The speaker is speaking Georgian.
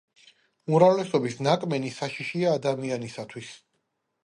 უმრავლესობის ნაკბენი საშიშია ადამიანისათვის.